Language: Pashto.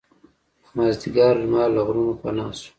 د مازدیګر لمر له غرونو پناه شو.